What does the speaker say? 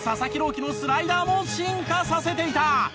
希のスライダーも進化させていた！